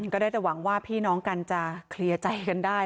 ก็ได้แต่หวังว่าพี่น้องกันจะเคลียร์ใจกันได้